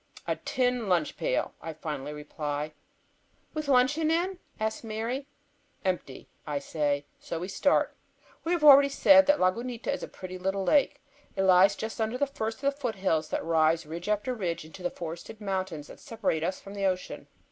"A tin lunch pail," I finally reply. "With luncheon in?" asks Mary. "Empty," I say. So we start. I have already said that Lagunita is a pretty little lake. It lies just under the first of the foothills that rise ridge after ridge into the forested mountains that separate us from the ocean.